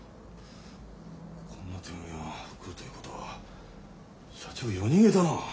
こんな手紙が来るということは社長夜逃げだな。